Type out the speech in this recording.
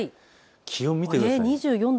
気温見てください。